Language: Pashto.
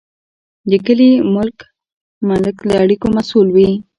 د کلي ملک د اړیکو مسوول وي.